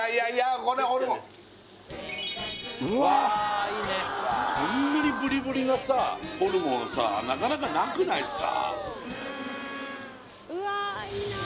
こんなにブリブリなさホルモンはさなかなかなくないですか？